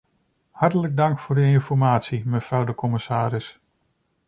Hartelijk dank voor uw informatie, mevrouw de commissaris.